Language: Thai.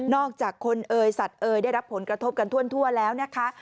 อกจากคนเอ่ยสัตว์เอ่ยได้รับผลกระทบกันทั่วแล้วนะคะ